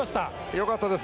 よかったです。